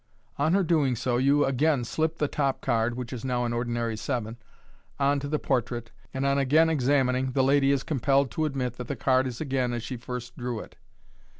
On her doing so, you again slip the top card (which is now an ordinary seven), on to the portrait, and on again examining, the lady is compelled to admit that the card is again as she first Irew it.